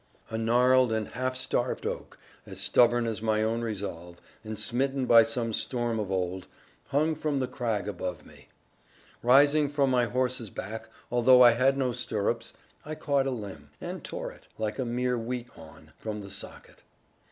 A gnarled and half starved oak, as stubborn as my own resolve, and smitten by some storm of old, hung from the crag above me. Rising from my horse's back, although I had no stirrups, I caught a limb, and tore it (like a mere wheat awn) from the socket.